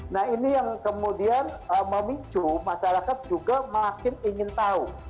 nah ini yang kemudian memicu masyarakat juga makin ingin tahu